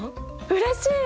うれしい！